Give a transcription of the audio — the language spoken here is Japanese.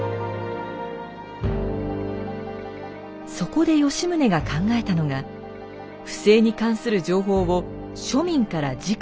そこで吉宗が考えたのが不正に関する情報を庶民からじかに集めること。